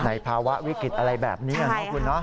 ในภาวะวิกฤติอะไรแบบนี้ขอบคุณนะ